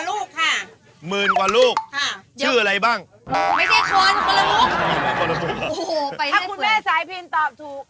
โอ้โหไปได้เผื่อถ้าคุณแม่สายพิณฑ์ตอบถูก